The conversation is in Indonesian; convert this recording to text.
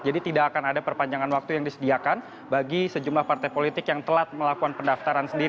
jadi tidak akan ada perpanjangan waktu yang disediakan bagi sejumlah partai politik yang telat melakukan pendaftaran sendiri